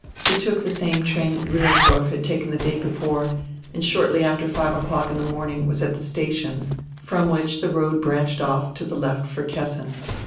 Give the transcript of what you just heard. He took the same train Wiillersdorf had taken die day before and shortly after five o'clock in die morning was at die station, from which die road branched off to die left for Kessin.